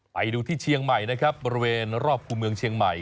ไปดูที่เชียงใหม่นะครับบริเวณรอบคู่เมืองเชียงใหม่